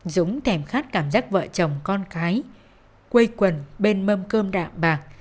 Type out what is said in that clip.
dũng kèm khát cảm giác vợ chồng con cái quây quần bên mâm cơm đạm bạc